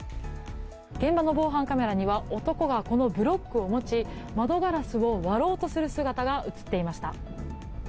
現場の防犯カメラには男がこのブロックを持ち窓ガラスを割ろうとする姿が映っていました。